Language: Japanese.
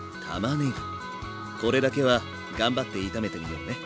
これだけは頑張って炒めてみようね。